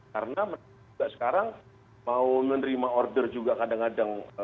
karena mbak sekarang mau menerima order juga kadang kadang